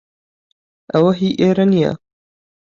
ئەوە هی ئێرە نییە.